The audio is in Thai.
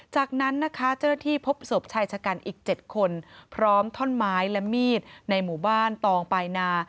จากนั้นนะคะเจ้าหน้าที่พบศพชายชะกันอีก๗คนพร้อมท่อนไม้และมีดในหมู่บ้านตองปลายนา